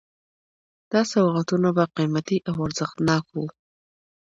دا سوغاتونه به قیمتي او ارزښتناک وو.